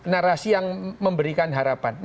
narasi yang memberikan harapan